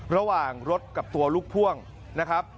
ระหว่างรถกับตัวลูกพ่วงนะครับ